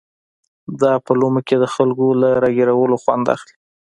دا په لومه کې د خلکو له را ګيرولو خوند اخلي.